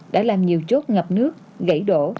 đã làm nhiều chốt ngập nước gãy đổ